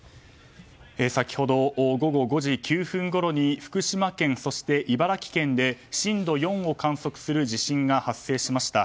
先ほど、午後５時９分ごろに福島県、そして茨城県で震度４を観測する地震が発生しました。